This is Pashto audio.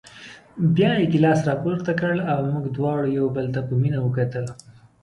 بیا یې ګیلاس راپورته کړ او موږ دواړو یو بل ته په مینه وکتل.